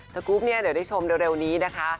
สกรูปเดี๋ยวได้ชมเร็วนี้นะคะ